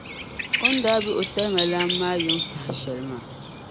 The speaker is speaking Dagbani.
O ni daa be o talima lan’ maa yiŋ’ saha shɛli maa.